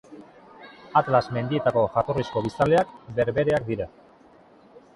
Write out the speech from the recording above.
Atlas mendietako jatorrizko biztanleak berbereak dira.